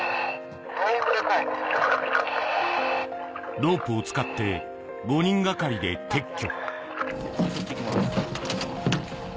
ロープを使って５人がかりで撤去。